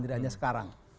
tidak hanya sekarang